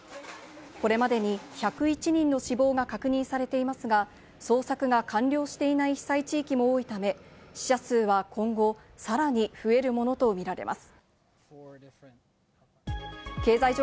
これまでに１０１人の死亡が確認されていますが、捜索が完了していない被災地域も多いため、死者数は今後、さらに増えるものと見られます。